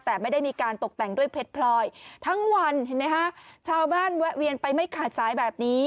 แต่ไม่ได้มีการตกแต่งด้วยเพชรพลอยทั้งวันเห็นไหมฮะชาวบ้านแวะเวียนไปไม่ขาดสายแบบนี้